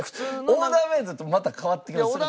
オーダーメイドだとまた変わってきますよ。